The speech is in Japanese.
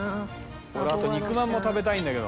俺あと肉まんも食べたいんだけど。